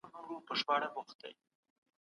څېړونکی د حقایقو پلټنه په غاړه لري.